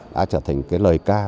đã trở thành cái lời ca